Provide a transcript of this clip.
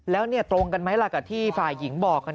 แล้วตรงกันไหมล่ะกับที่ฝ่ายหญิงบอก